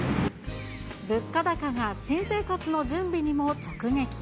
物価高が新生活の準備にも直撃。